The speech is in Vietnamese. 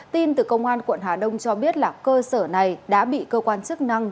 tin từ công an quận hà đông cho biết là cơ sở này đã bị cơ quan chức năng